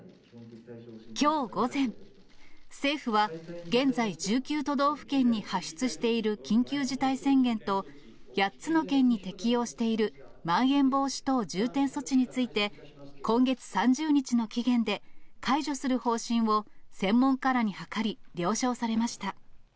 きょう午前、政府は、現在１９都道府県に発出している緊急事態宣言と、８つの県に適用しているまん延防止等重点措置について、今月３０日の期限で解除する方針を専門家らに諮り了承されました。